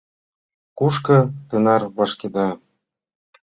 Кушко тынар вашкеда?